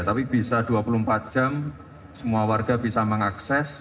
tapi bisa dua puluh empat jam semua warga bisa mengakses